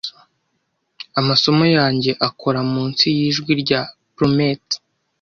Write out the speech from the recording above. Amasomo yanjye akora munsi yijwi rya plummets.